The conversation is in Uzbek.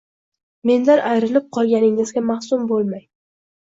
Mendan ayrilib qolganizga mahzun bo`lmang